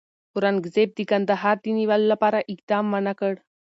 اورنګزېب د کندهار د نیولو لپاره اقدام ونه کړ.